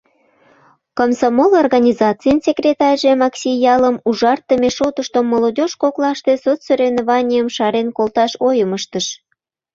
Комсомол организацийын секретарьже Макси ялым ужартыме шотышто молодежь коклаште соцсоревнованийым шарен колташ ойым ыштыш.